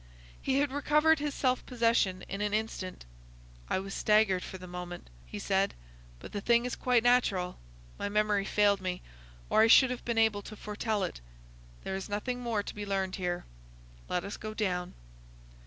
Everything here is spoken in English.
He had recovered his self possession in an instant. "I was staggered for the moment," he said, "but the thing is quite natural. My memory failed me, or I should have been able to foretell it. There is nothing more to be learned here. Let us go down."